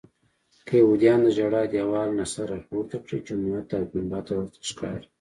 که یهودیان د ژړا دیوال نه سر راپورته کړي جومات او ګنبده ورته ښکاري.